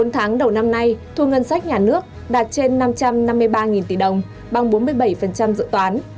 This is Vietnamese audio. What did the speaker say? bốn tháng đầu năm nay thu ngân sách nhà nước đạt trên năm trăm năm mươi ba tỷ đồng bằng bốn mươi bảy dự toán